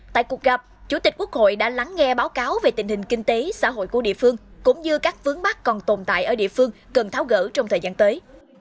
tại cuộc gặp chủ tịch quốc hội đã lắng nghe báo cáo về tình hình kinh tế xã hội của địa phương cũng như các vướng mắt còn tồn tại ở địa phương cần tháo gỡ trong thời gian tới